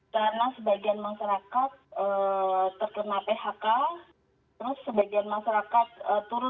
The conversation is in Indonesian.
terus sebagian masyarakat turun pendapatannya ya mungkin kantornya itu tidak bisa memberikan bonus